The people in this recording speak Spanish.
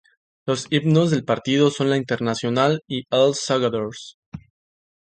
Los himnos del partido son La Internacional y Els Segadors.